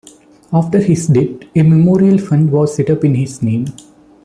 After his death, a memorial fund was set up in his name.